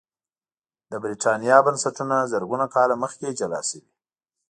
د برېټانیا بنسټونه زرګونه کاله مخکې جلا شوي